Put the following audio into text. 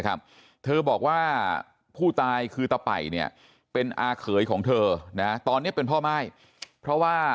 เธอบอกว่าผู้ตายคือตะป่ายเนี่ยเป็นอาเขยของเธอนะตอนนี้เป็นพ่อม่ายเพราะว่า